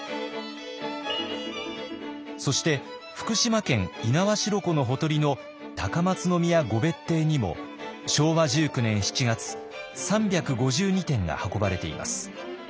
そして福島県猪苗代湖のほとりの高松宮御別邸にも昭和１９年７月３５２点が運ばれています。